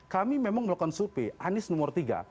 kami memang melakukan survei anies nomor tiga